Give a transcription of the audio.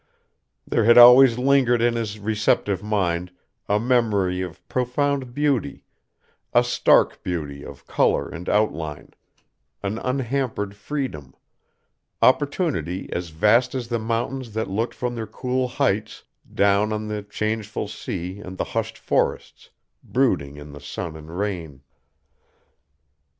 There had always lingered in his receptive mind a memory of profound beauty, a stark beauty of color and outline, an unhampered freedom, opportunity as vast as the mountains that looked from their cool heights down on the changeful sea and the hushed forests, brooding in the sun and rain.